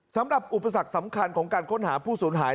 สำหรับอุปสรรคสำคัญของการค้นหาผู้สูญหาย